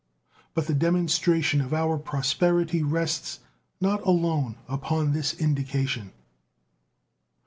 But the demonstration of our prosperity rests not alone upon this indication.